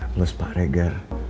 plus pak regar